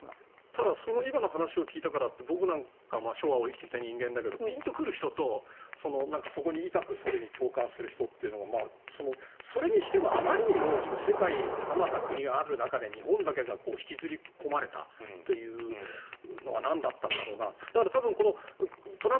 ただ今の話を聞いたからって僕なんか昭和を生きてきた人間だけどピンと来る人とそれに痛く共感する人とそれにしてもあまりにも世界あまた国がある中で日本だけが引きずり込まれたというのはなんだったんだろうな。